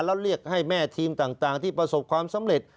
แล้วเรียกให้แม่ทีมต่างที่ประสบความสำเร็จ